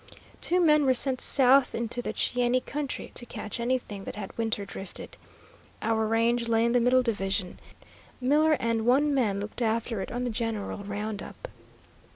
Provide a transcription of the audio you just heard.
Two men were sent south into the Cheyenne country to catch anything that had winter drifted. Our range lay in the middle division. Miller and one man looked after it on the general round up.